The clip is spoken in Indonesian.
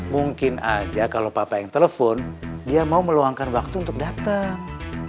mungkin aja kalau papa yang telepon dia mau meluangkan waktu untuk datang